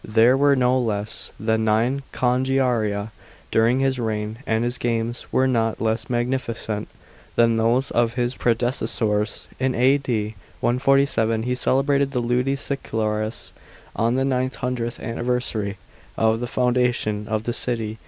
rlhere were no less than nine congiaria during his reign, and his games were not less magnificent than those of his predecessors. In A.D. 147 he celebrated the Ludi Seculares, on the nine hundredth anniversary of the foundation of the city.